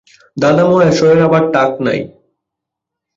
দাদামহাশয়ের আবার টাক নাই!